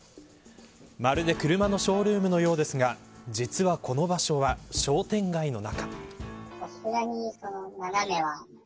まるで車のショールームのようですが実は、この場所は商店街の中。